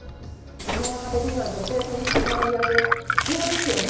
世の中的には女性取締役必要ですよね？